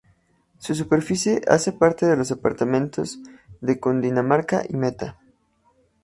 Su superficie hace parte de los departamentos de Cundinamarca y Meta.